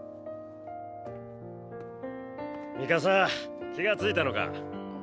ミカサ気がついたのか。